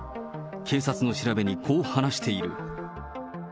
警察の調べにこう話している。